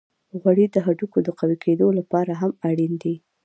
غوړې د هډوکو د قوی کیدو لپاره هم اړینې دي.